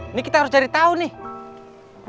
ini kita harus cari tahu nih